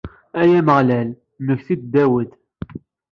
Ay Ameɣlal, mmekti-d d Dawed.